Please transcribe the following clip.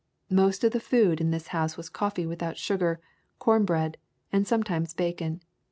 Most of the food in this house was coffee without sugar, corn bread, and some times bacon.